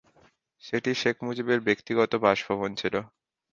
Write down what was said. সেটি শেখ মুজিবের ব্যক্তিগত বাসভবন ছিল।